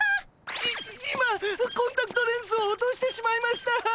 い今コンタクトレンズを落としてしまいました！